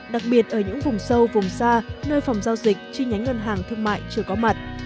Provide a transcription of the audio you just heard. đặc biệt ở những vùng sâu vùng xa nơi phòng giao dịch chi nhánh ngân hàng thương mại chưa có mặt